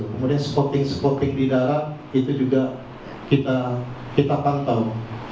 kemudian skoting scouting di darat itu juga kita pantau